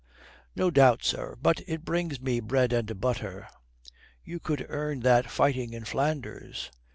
"No doubt, sir. But it brings me bread and butter." "You could earn that fighting in Flanders."